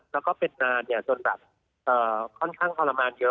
แล้วก็เป็นนานจนแบบค่อนข้างทรมานเยอะ